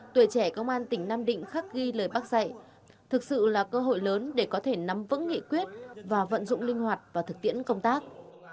tuổi trẻ công an tỉnh nam định khắc ghi lời bác dạy thực sự là cơ hội lớn để có thể nắm vững nghị quyết và vận dụng linh hoạt và thực tiễn công tác